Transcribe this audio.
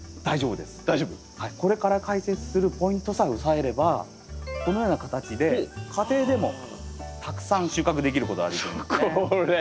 これから解説するポイントさえ押さえればこのような形で家庭でもたくさん収穫できることあると思いますね。